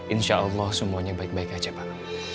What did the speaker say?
insya allah semuanya baik baik saja pak